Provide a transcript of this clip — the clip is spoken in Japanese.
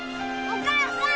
お母さん！